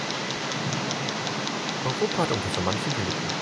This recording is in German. Europa hat unter so manchem gelitten.